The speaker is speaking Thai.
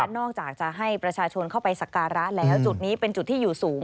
นอกจากจะให้ประชาชนเข้าไปสักการะแล้วจุดนี้เป็นจุดที่อยู่สูง